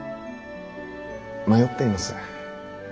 迷っています。